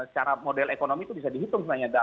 secara model ekonomi itu bisa dihitung sebenarnya